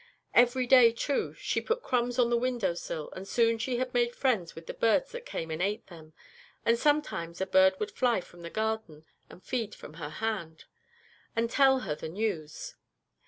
Every day, too, she put crumbs on the window sill, and soon she had made friends with the birds that came and ate them, and sometimes a bird would fly from the Garden, and feed from her hand, and tell her the news.